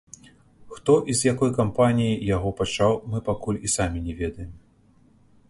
Хто і з якой кампаніі яго пачаў мы пакуль і самі не ведаем.